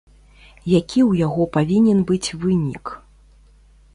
Які ў яго павінен быць вынік?